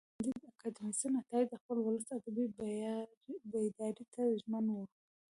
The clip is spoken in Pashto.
کانديد اکاډميسن عطایي د خپل ولس ادبي بیداري ته ژمن و.